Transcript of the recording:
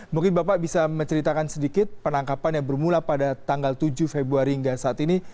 mungkin bapak bisa menceritakan sedikit penangkapan yang bermula pada tanggal tujuh februari hingga saat ini